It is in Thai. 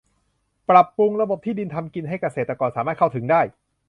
ปรับปรุงระบบที่ดินทำกินให้เกษตรกรสามารถเข้าถึงได้